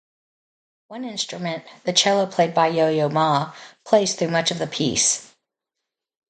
One instrument, the cello played by Yo-Yo Ma, plays through much of the piece.